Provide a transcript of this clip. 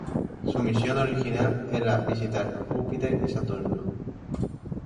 Su misión original era visitar Júpiter y Saturno.